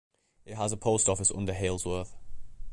It has a post office under Halesworth.